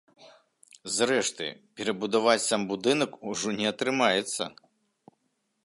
Зрэшты, перабудаваць сам будынак ужо не атрымаецца.